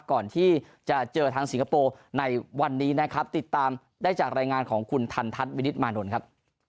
ก่อนที่จะเจอทางสิงคโปร์ในวันนี้นะครับติดตามได้จากรายงานของคุณทันทัศน์วินิตมานนท์ครับ